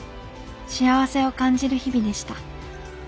幸せを感じる日々でした。